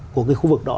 của cái khu vực đó